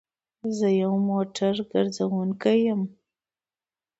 زه يو موټر ګرځونکی يم